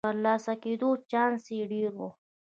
د برلاسه کېدو چانس یې ډېر و.